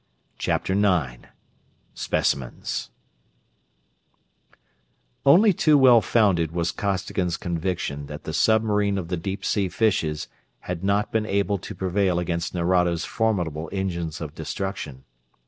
CHAPTER IX Specimens Only too well founded was Costigan's conviction that the submarine of the deep sea fishes had not been able to prevail against Nerado's formidable engines of destruction.